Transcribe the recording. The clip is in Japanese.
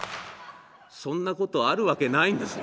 そんなことあるわけないんですよ。